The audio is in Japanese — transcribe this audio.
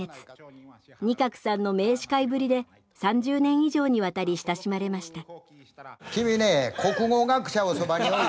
仁鶴さんの名司会ぶりで３０年以上にわたり親しまれました。